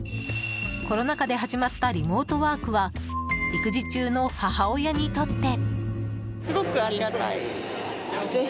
コロナ過で始まったリモートワークは育児中の母親にとって。